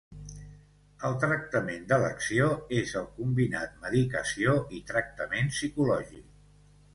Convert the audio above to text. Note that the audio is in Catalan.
El tractament d'elecció és el combinat, medicació i tractament psicològic.